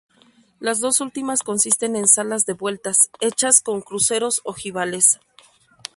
Las dos últimas consisten en salas de vueltas, hechas con cruceros ojivales.